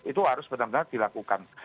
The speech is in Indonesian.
itu harus benar benar dilakukan